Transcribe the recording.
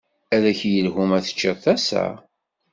Ad k-yelhu ma teččiḍ tasa?